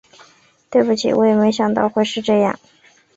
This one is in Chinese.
对不起，我也没想到会是这样